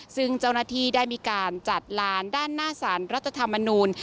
ซึ่งเจ้าหน้าที่ได้มีการจัดลานด้านหน้าสารรัฐธรรมนูล